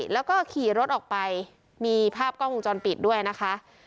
แล้วก็ขี่รถออกไปมีภาพกล้องวงจรปิดด้วยนะคะ